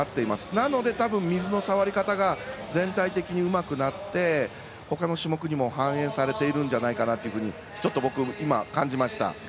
なので、水の触り方が全体的にうまくなってほかの種目にも反映されているんじゃないかとちょっと僕は、今感じました。